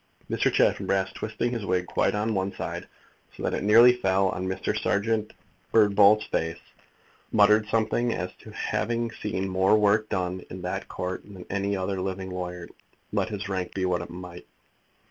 Mr. Chaffanbrass, twisting his wig quite on one side, so that it nearly fell on Mr. Serjeant Birdbolt's face, muttered something as to having seen more work done in that Court than any other living lawyer, let his rank be what it might.